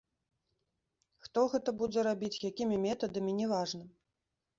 Хто гэта будзе рабіць, якімі метадамі, няважна.